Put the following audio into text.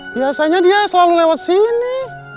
biasanya dia selalu lewat sini